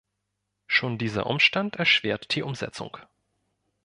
Schon dieser Umstand erschwert die Umsetzung.